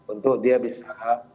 untuk dia bisa